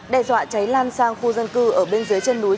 đe dọa cháy lan sang khu dân cư ở bên dưới chân núi